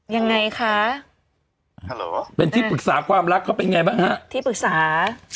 ยังไงคะฮัลเป็นที่ปรึกษาความรักเขาเป็นไงบ้างฮะที่ปรึกษา